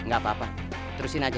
nggak apa apa terusin aja